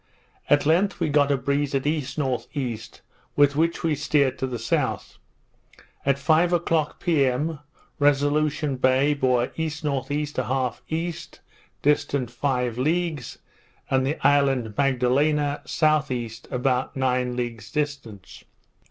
At length we got a breeze at E.N.E. with which we steered to the south. At five o'clock p.m., Resolution Bay bore E.N.E. 1/2 E. distant five leagues, and the island Magdalena S.E., about nine leagues distant.